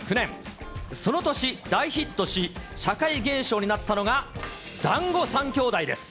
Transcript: その年、大ヒットし、社会現象になったのが、だんご３兄弟です。